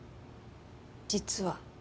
実は。